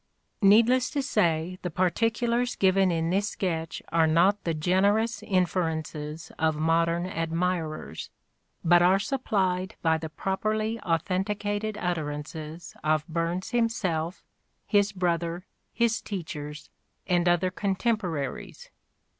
Needless to say the particulars given in this sketch The are not the generous inferences of modern admirers, but are supplied by the properly authenticated utterances of Burns himself, his brother, his teachers, and other contemporaries.